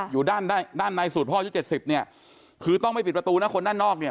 อยู่ด้านในสูตรพ่อชุด๗๐เนี่ยคือต้องไปปิดประตูนะคนด้านนอกเนี่ย